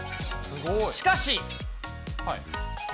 しかし。